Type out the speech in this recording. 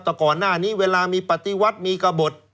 แต่ก่อนหน้านี้เวลามีปฏิวัติมีกระบด